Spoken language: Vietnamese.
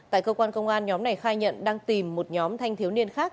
tại cơ quan công an nhóm này khai nhận đang tìm một nhóm thanh thiếu niên khác